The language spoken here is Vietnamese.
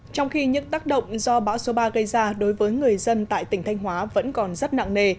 trong khi những tác động do bão số ba gây ra đối với người dân tại tỉnh thanh hóa vẫn còn rất nặng nề